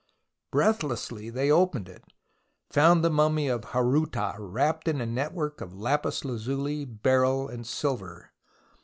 Breathlessly they opened it, found the mummy of Horuta, " wrapped in a network of lapis lazuli, beryl, and silver.